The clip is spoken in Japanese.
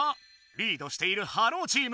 リードしているハローチーム。